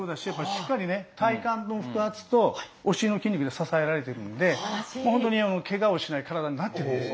しっかり体幹の腹圧とお尻の筋肉で支えられているのでほんとにケガをしない体になってるんですね。